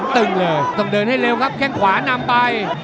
ถึงก็ออกกับลำ๓๔